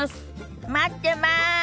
待ってます！